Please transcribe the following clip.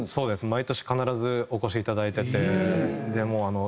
毎年必ずお越しいただいてて。